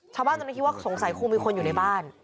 ชาวบ้านตอนนี้คิดว่าสงสัยคงมีคนอยู่ในบ้าน